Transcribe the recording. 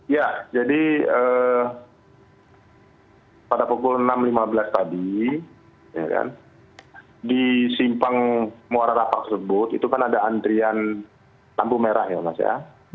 ya jadi pada pukul enam lima belas tadi di simpang muara rapak tersebut itu kan ada antrian lampu merah ya mas ya